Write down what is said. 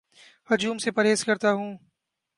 ہجوم سے پرہیز کرتا ہوں